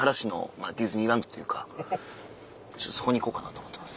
そこに行こうかなと思ってます。